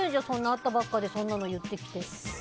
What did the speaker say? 会ったばかりでそんなの言ってきて。